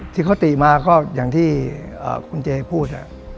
ที่เขาติมาก็อย่างที่คุณเจพูด